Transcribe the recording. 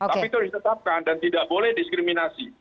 tapi itu disetapkan dan tidak boleh diskriminasi